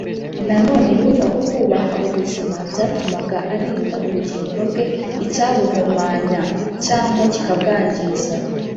nanone yumvaga ko kubaha ubuzima byatumaga arinda ubugingo bwe icyabuhumanya cyangwa kikabwangiza.